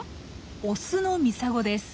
オスのミサゴです。